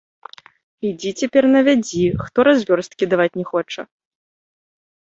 Ідзі цяпер навядзі, хто развёрсткі даваць не хоча.